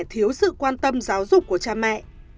thiếu sự quan tâm giáo dục của cha mẹ